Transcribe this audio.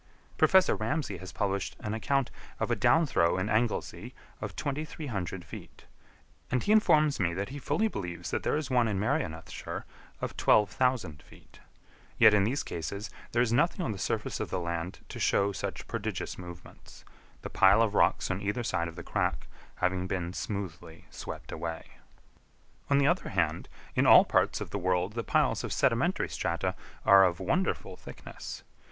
Professor Ramsay has published an account of a downthrow in Anglesea of 2,300 feet; and he informs me that he fully believes that there is one in Merionethshire of 12,000 feet; yet in these cases there is nothing on the surface of the land to show such prodigious movements; the pile of rocks on either side of the crack having been smoothly swept away. On the other hand, in all parts of the world the piles of sedimentary strata are of wonderful thickness.